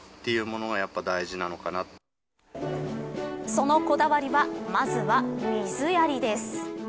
そのこだわりはまずは水やりです。